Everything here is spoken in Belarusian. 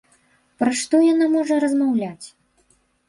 Пра што яна можа размаўляць?